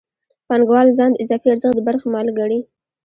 پانګوال ځان د اضافي ارزښت د برخې مالک ګڼي